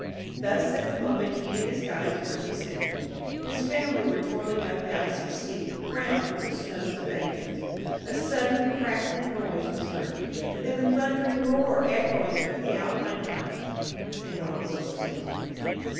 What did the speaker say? Thus at the moment he and his guides were descending, his family were toiling up the icy steep, crowned with the snows of ages. A sudden crackling noise was heard, and then a thundering roar echoing through the Alpine heights and all was still.